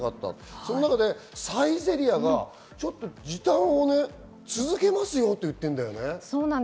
その中でサイゼリヤが時短を続けますよと言っているんだよね。